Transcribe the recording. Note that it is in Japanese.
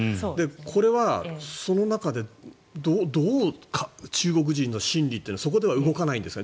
これはその中でどう中国人の心理というのはそこでは動かないんですか？